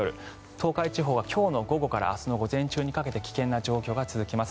東海地方は今日の午後から明日の午前中にかけて危険な状況が続きます。